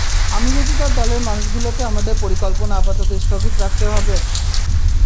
আমি যদি তার দলের মানুষগুলোকে -- আমাদের পরিকল্পনা আপাতত স্থগিত রাখতে হবে।